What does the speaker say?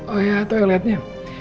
oh ya toiletnya